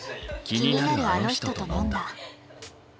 気になるあの人と飲んだ。